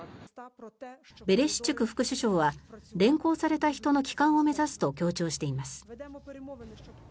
ベレシチュク副首相は連行された人の帰還を目指すと強調しています。